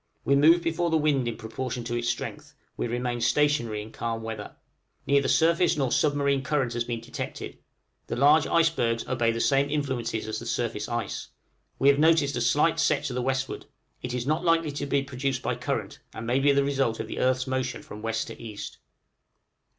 We move before the wind in proportion to its strength: we remain stationary in calm weather. Neither surface nor submarine current has been detected; the large icebergs obey the same influences as the surface ice. We have noticed a slight set to the westward it is not likely to be produced by current, and may be the result of the earth's motion from west to east.